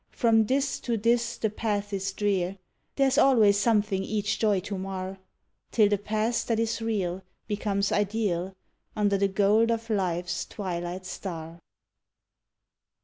From this to this the path is drear; there's always something each joy to mar, Till the past that is real becomes ideal under the gold of life's twilight star.